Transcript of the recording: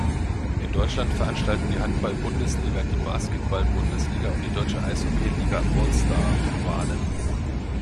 In Deutschland veranstalten die Handball-Bundesliga, die Basketball-Bundesliga und die Deutsche Eishockey Liga All-Star-Wahlen.